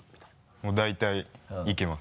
もう大体いけます。